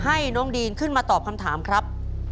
ให้น้องดีนขึ้นมาตอบคำถามครับ